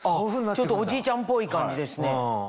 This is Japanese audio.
ちょっとおじいちゃんっぽい感じですね。